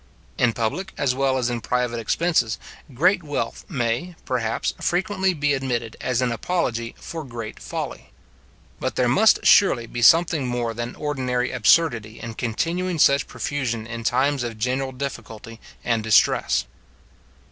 In public, as well as in private expenses, great wealth, may, perhaps, frequently be admitted as an apology for great folly. But there must surely be something more than ordinary absurdity in continuing such profusion in times of general difficulty and distress.